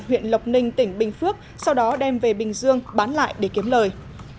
huyện lộc ninh tỉnh bình phước sau đó đem về bình dương bán lại để kiếm lời